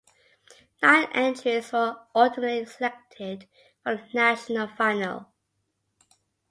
Nine entries were ultimately selected for the national final.